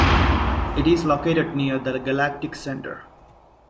It is located near the Galactic Center.